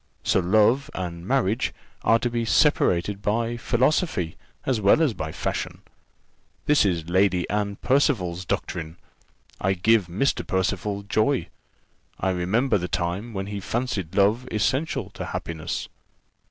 So love and marriage are to be separated by philosophy, as well as by fashion. This is Lady Anne Percival's doctrine! I give Mr. Percival joy. I remember the time, when he fancied love essential to happiness."